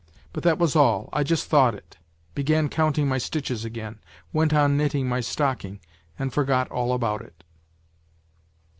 But that was all, I just thought it, began counting my stitches again, went on knitting my stocking, and forgot all about it.